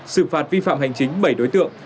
xử phạt vi phạm hành chính bảy đối tượng